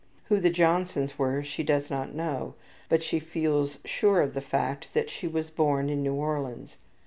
Who the Johnsons were she does not know, but she feels sure of the fact that she was born in New Orleans.